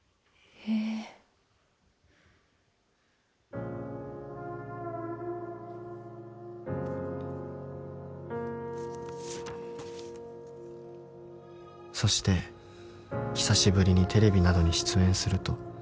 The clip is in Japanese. ええ「そして久しぶりにテレビなどに出演すると」